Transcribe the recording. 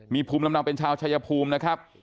มีภูมิลำเนาเป็นชาวชายภูมินะครับ